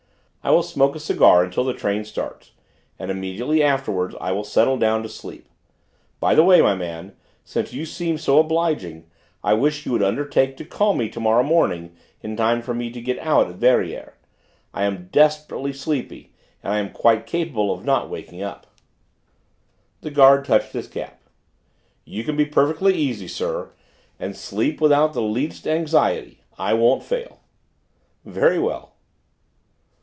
"I will smoke a cigar until the train starts, and immediately afterwards I will settle down to sleep. By the way, my man, since you seem so obliging, I wish you would undertake to call me to morrow morning in time for me to get out at Verrières. I am desperately sleepy and I am quite capable of not waking up." The guard touched his cap. "You can be perfectly easy, sir, and sleep without the least anxiety. I won't fail." "Very well."